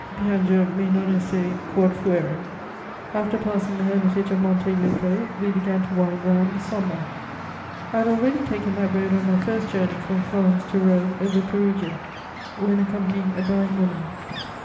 Plango me non esse quod fuerim. "After passing the hermitage of Monte Lupo, we began to wind round the Somma. I had already taken that road on my first journey from Florence to Rome over Perugia, when accompanying a dying woman....